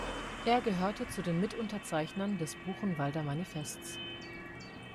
Er gehörte zu den Mitunterzeichnern des Buchenwalder Manifests.